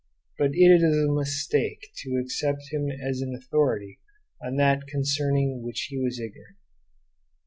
But it is a mistake to accept him as an authority on that concerning which he was ignorant.